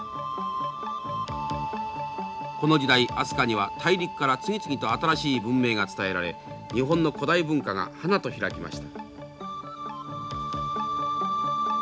この時代飛鳥には大陸から次々と新しい文明が伝えられ日本の古代文化が華と開きました。